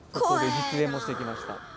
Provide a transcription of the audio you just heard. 実演もしてきました。